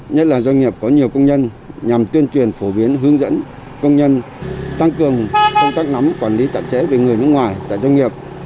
nhất là doanh nghiệp có nhiều công nhân nhằm tuyên truyền phổ biến hướng dẫn công nhân tăng cường công tác nắm quản lý chặt chẽ với người nước ngoài tại doanh nghiệp